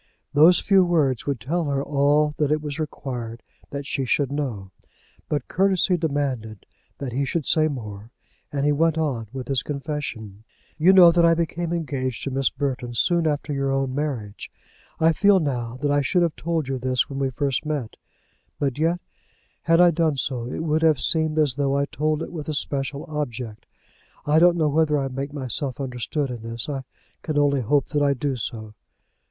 Those few words would tell her all that it was required that she should know. But courtesy demanded that he should say more, and he went on with his confession. You know that I became engaged to Miss Burton soon after your own marriage. I feel now that I should have told you this when we first met; but yet, had I done so, it would have seemed as though I told it with a special object. I don't know whether I make myself understood in this. I can only hope that I do so.